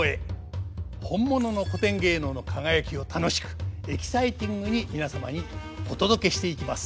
本物の古典芸能の輝きを楽しくエキサイティングに皆様にお届けしていきます。